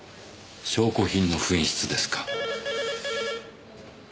証拠品の紛失ですか。